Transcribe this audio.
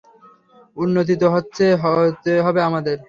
উন্নতি তো হতে হবে আমাদের।